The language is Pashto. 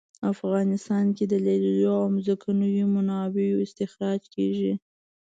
افغانستان کې د لیلیو او ځمکنیو منابعو استخراج کیږي